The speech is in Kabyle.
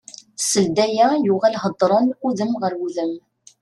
Seld aya yuɣal heddren udem ɣer udem.